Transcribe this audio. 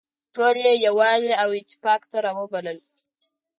ټول يې يووالي او اتفاق ته رابلل.